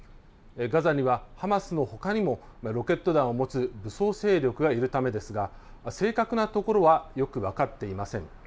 ガザにはハマスのほかにもロケット弾を持つ武装勢力がいるためですが正確なところはよく分かっていません。